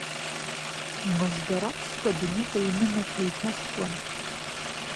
Мыждарақә скабинет аҩнымаҭәа еиҭаскуан.